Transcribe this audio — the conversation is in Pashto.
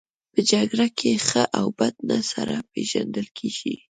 په جګړه کې ښه او بد نه سره پېژندل کیږي